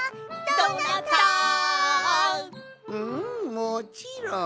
もちろん。